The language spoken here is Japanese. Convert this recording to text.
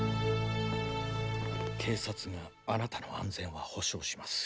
警察があなたの安全は保障します。